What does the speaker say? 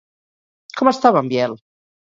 Com estava en Biel?